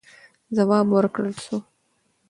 ځواب ورکړل سو.